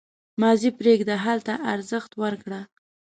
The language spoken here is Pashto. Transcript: • ماضي پرېږده، حال ته ارزښت ورکړه.